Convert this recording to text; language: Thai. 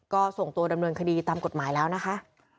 ก็ส่งตัวดำเนินคดีตามกฎหมายแล้วนะคะ